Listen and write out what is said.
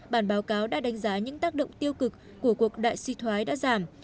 bản báo cáo đã đánh giá những tác động tiêu cực của cuộc đại suy thoái đã giảm